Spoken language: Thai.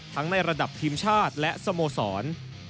ในระดับทีมชาติและสโมสร